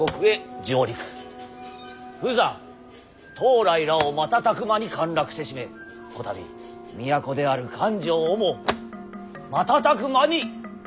釜山東莱らを瞬く間に陥落せしめこたび都である漢城をも瞬く間に陥落させ申した。